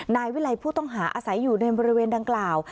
นายวิลัยผู้ต้องหาอาศัยอยู่ในบริเวณดังกล่าว